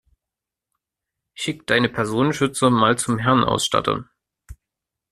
Schick deine Personenschützer mal zum Herrenausstatter.